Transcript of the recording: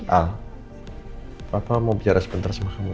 apa apa mau bicara sebentar sama kamu ya